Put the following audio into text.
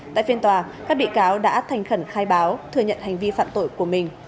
tại phiên tòa các bị cáo đã thành khẩn khai báo thừa nhận hành vi phạm tội của mình